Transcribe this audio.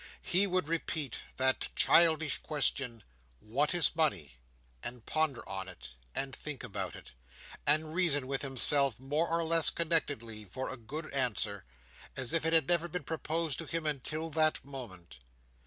He would repeat that childish question, "What is money?" and ponder on it, and think about it, and reason with himself, more or less connectedly, for a good answer; as if it had never been proposed to him until that moment.